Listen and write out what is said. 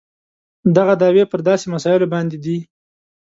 دغه دعوې پر داسې مسایلو باندې دي.